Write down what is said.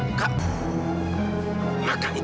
maka itu adalah kebenaran